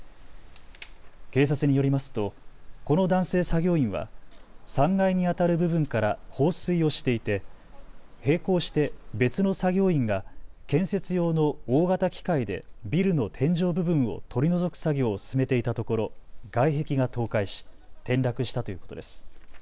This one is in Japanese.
警察によりますとこの男性作業員は３階にあたる部分から放水をしていて並行して別の作業員が建設用の大型機械でビルの天井部分を取り除く作業を進めていたところ外壁が倒壊し転落したということです。